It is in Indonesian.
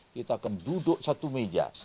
kita akan duduk satu meja